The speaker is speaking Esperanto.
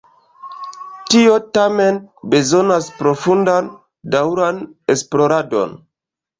Tio tamen bezonas profundan, daŭran esploradon.